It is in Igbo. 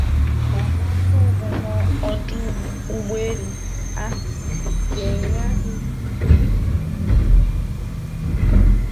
ma gbaa akaebe na ọdụ ụgbọelu ahụ ga-enye aka ịkwàlìtè azụmahịa ha